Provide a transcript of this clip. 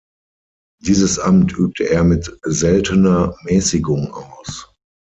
Dieses Amt übte er mit seltener Mäßigung aus.